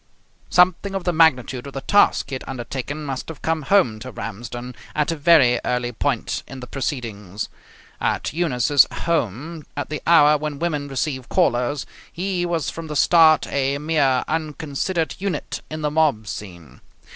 Something of the magnitude of the task he had undertaken must have come home to Ramsden at a very early point in the proceedings. At Eunice's home, at the hour when women receive callers, he was from the start a mere unconsidered unit in the mob scene.